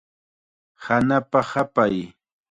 Hanapa hapay.